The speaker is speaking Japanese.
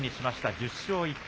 １０勝１敗。